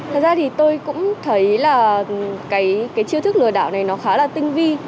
thật ra thì tôi cũng thấy là cái chiêu thức lừa đảo này nó khá là tinh vi